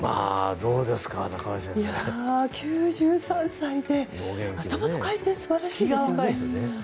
９３歳で頭の回転が素晴らしいですね。